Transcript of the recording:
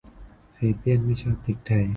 แฟเบี้ยนไม่ชอบพริกไทย